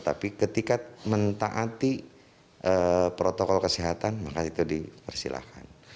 tapi ketika mentaati protokol kesehatan maka itu dipersilahkan